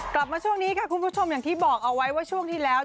กลับมาช่วงนี้ค่ะคุณผู้ชมอย่างที่บอกเอาไว้ว่าช่วงที่แล้ว